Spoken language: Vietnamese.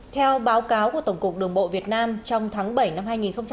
theo báo cáo của tổng cục đường bộ việt nam trong tháng bảy năm hai nghìn một mươi sáu